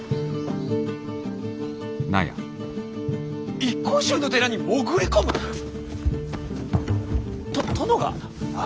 一向宗の寺に潜り込む！？と殿が？ああ。